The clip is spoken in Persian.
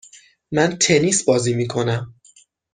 من تنیس بازی میکنم.